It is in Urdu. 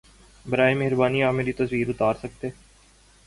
براہ مہربانی آپ میری تصویر اتار سکتے